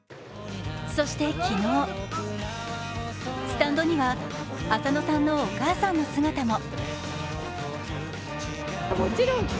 スタンドには浅野さんのお母さんの姿も。